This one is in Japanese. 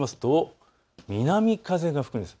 南風が吹くんです。